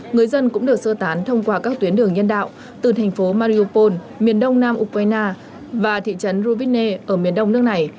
người dân cũng được sơ tán thông qua các tuyến đường nhân đạo từ thành phố mariopol miền đông nam ukraine và thị trấn rubiene ở miền đông nước này